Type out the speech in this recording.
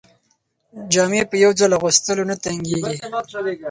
جامې په یو ځل اغوستلو نه تنګیږي.